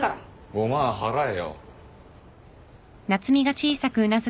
５万払えよ。